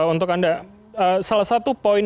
untuk anda salah satu poin